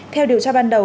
theo điều tra ban đầu